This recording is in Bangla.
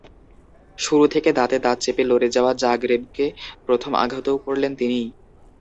শুরু থেকে দাঁতে দাঁত চেপে লড়ে যাওয়া জাগরেবকে প্রথম আঘাতও করলেন তিনিই।